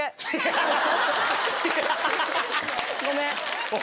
ごめん。